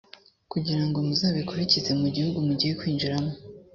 kugira ngo muzabikurikize mu gihugu mugiye kwinjiramo